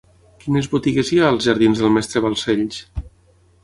Quines botigues hi ha als jardins del Mestre Balcells?